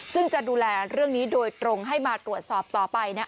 ซึ่งจะดูแลเรื่องนี้โดยตรงให้มาตรวจสอบต่อไป